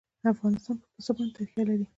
افغانستان په پسه باندې تکیه لري.